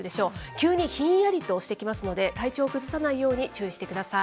急にひんやりとしてきますので、体調崩さないように注意してください。